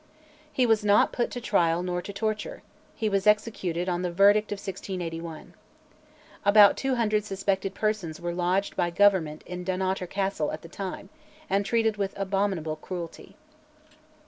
He was not put to trial nor to torture; he was executed on the verdict of 1681. About 200 suspected persons were lodged by Government in Dunottar Castle at the time and treated with abominable cruelty.